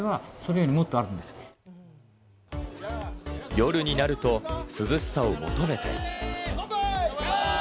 夜になると涼しさを求めて。